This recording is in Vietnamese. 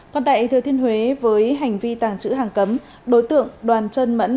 còn tại thừa thiên huế với hành vi tàng trữ hàng cấm đối tượng đoàn trân mẫn